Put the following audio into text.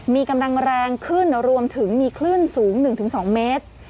มีกำลังแรงขึ้นรวมถึงมีคลื่นสูง๑๒เมตร